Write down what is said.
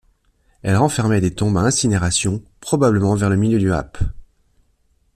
Elle renfermait des tombes à incinération, probablement vers le milieu du ap.